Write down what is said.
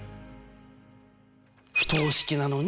不等式なのに。